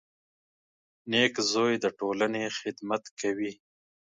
• نېک زوی د ټولنې خدمت کوي.